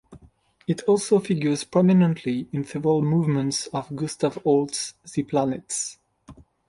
It also figures prominently in several movements of Gustav Holst's "The Planets".